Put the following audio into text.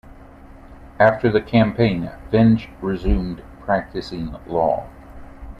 After the campaign, Finch resumed practicing law.